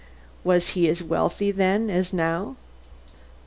"Was he as wealthy then as now?"